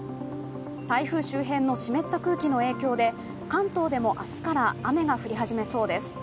台風周辺の湿った空気の影響で関東でも明日から雨が降り始めそうです。